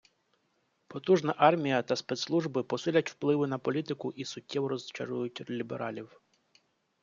Потужна армія та спецслужби посилять впливи на політику і суттєво розчарують лібералів.